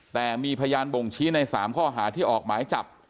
แต่มีพยานบ่งชี้ใน๓ข้อหาที่ออกหมายจับ